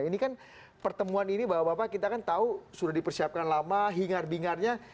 ini kan pertemuan ini bapak bapak kita kan tahu sudah dipersiapkan lama hingar bingarnya